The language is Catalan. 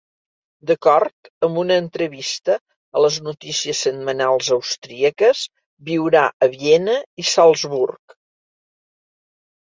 D'acord amb una entrevista a les notícies setmanals austríaques, viurà a Viena i Salzburg.